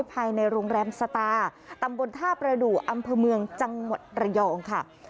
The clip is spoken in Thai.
ภายในโรงแรมสตาร์ตำบลท่าประดูกอำเภอเมืองจังหวัดระยองค่ะ